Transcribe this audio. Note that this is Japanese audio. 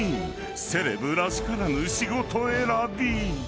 ［セレブらしからぬ仕事選び］